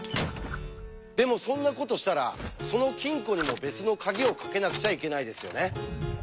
でもそんなことしたらその金庫にも別の鍵をかけなくちゃいけないですよね。